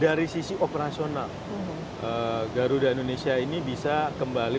dari sisi operasional garuda indonesia ini bisa kembali